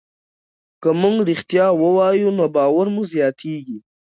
که موږ ریښتیا ووایو نو باور مو زیاتېږي.